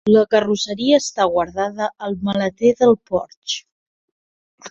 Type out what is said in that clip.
La carrosseria està guardada al maleter del Porsche.